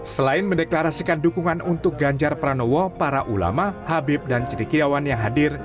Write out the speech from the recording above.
selain mendeklarasikan dukungan untuk ganjar pranowo para ulama habib dan cedekiawan yang hadir